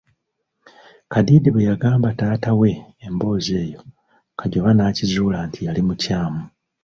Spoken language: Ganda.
Kadiidi bwe yagamba taata we emboozi eyo, Kajoba n'akizuula nti yali mukyamu.